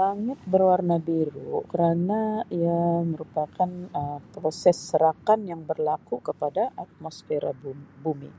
Langit berwarna biru kerana ia merupakan Um proses serakan yang berlaku kepada atmosfera bumi.